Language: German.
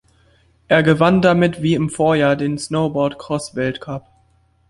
Er gewann damit wie im Vorjahr den Snowboardcross-Weltcup.